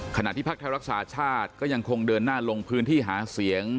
ขณะที่พักไทยรักษาชาติก็ยังคงเดินหน้าลงพื้นที่หาเสียง